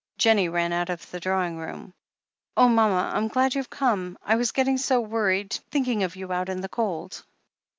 Jennie ran out of the drawing room. "Oh, mama ! I'm glad you've come — I was getting so worried, thinking of you out in the cold.